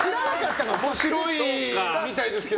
面白いみたいですけどね